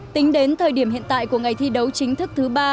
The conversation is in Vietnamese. tính đến thời điểm hiện tại của ngày thi đấu chính thức thứ ba